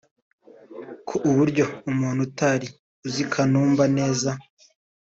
ku buryo umuntu utari uzi Kanumba neza